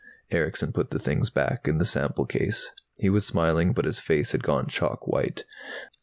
Erickson put the things back in the sample case. He was smiling, but his face had gone chalk white.